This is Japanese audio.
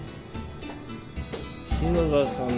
篠田さん